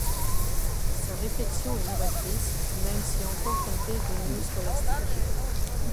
Sa réflexion est novatrice même si encore teintée de néoscolastique.